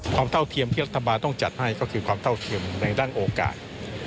เท่าเทียมที่รัฐบาลต้องจัดให้ก็คือความเท่าเทียมในด้านโอกาส